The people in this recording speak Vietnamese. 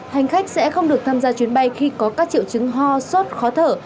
hành khách sẽ không được tham gia chuyến bay khi có các triệu chứng ho sốt khó thở